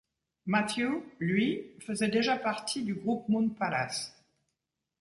Matthew, lui, faisait déjà partie du groupe Moon Palace.